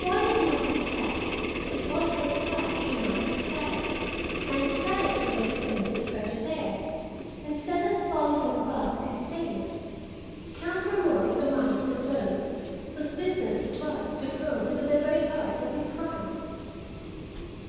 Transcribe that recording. Why did not the fact that it was a splash and not a spatter (and spatter it would have been had it spurted there, instead of falling from above, as he stated), count for more in the minds of those whose business it was to probe into the very heart of this crime?